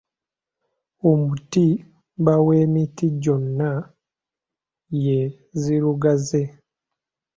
Omuti bba w'emiti gyonna ye nzirugaze.